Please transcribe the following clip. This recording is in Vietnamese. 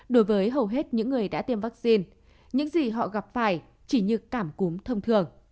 đối với hầu hết những người đã tiêm vaccine những gì họ gặp phải chỉ như cảm cúm thông thường